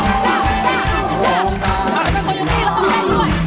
ถ้าเป็นคนอยู่ที่นี่ก็ต้องแต่งด้วยแต่งด้วย